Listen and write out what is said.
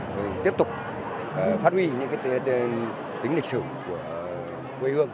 chúng ta sẽ tiếp tục phát huy những cái tính lịch sử của quê hương